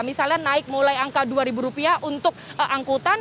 misalnya naik mulai angka dua ribu rupiah untuk angkutan